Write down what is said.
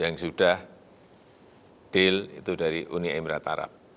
yang sudah deal itu dari uni emirat arab